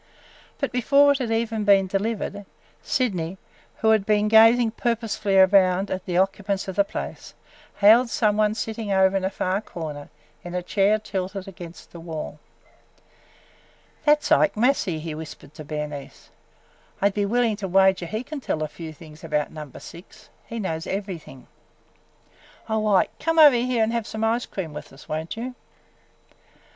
But before it had even been delivered, Sydney, who had been gazing purposefully around at the occupants of the place, hailed some one sitting over in a far corner, in a chair tilted against the wall. "There 's Ike Massey!" he whispered to Bernice. "I 'd be willing to wager he can tell a few things about Number Six. He knows everything!" "O Ike! Come over here and have some ice cream with us, won't you?"